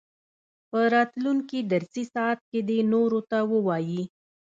په راتلونکي درسي ساعت کې دې نورو ته ووايي.